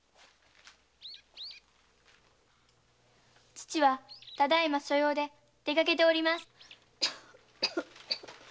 父はただいま所用で出かけております。